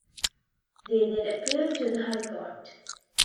They then appealed to the High Court.